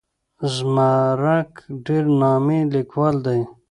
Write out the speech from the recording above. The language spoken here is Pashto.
زمرک ډېر نامي لیکوال دی.